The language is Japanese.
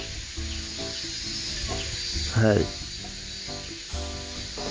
はい。